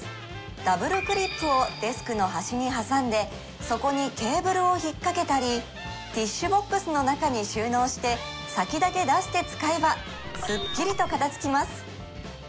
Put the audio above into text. ダブルクリップをデスクの端に挟んでそこにケーブルを引っかけたりティッシュボックスの中に収納して先だけ出して使えばスッキリと片づきます